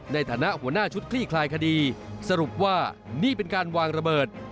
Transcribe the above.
ในฐานะหัวหน้าชุดคลี่คลายคดีสรุปว่านี่เป็นการวางระเบิด